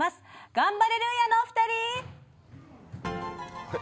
ガンバレルーヤの２人！